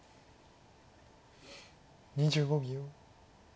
２５秒。